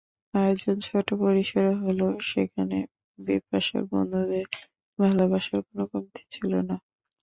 আয়োজন ছোট পরিসরে হলেও সেখানে বিপাশার বন্ধুদের ভালোবাসার কোনো কমতি ছিল না।